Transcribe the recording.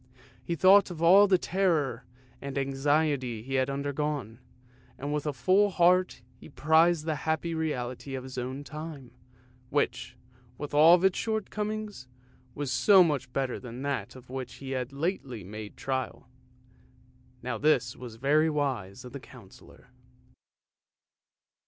He thought of all the terror and anxiety he had undergone, and with a full heart he prized the happy reality of his own time, which, with all its shortcomings, was so much better than that of which he had lately made trial. Now this was very wise of the Councillor.